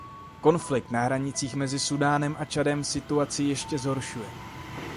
Konflikt na hranicích mezi Súdánem a Čadem situaci ještě zhoršuje.